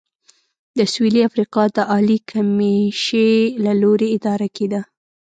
د سوېلي افریقا د عالي کمېشۍ له لوري اداره کېده.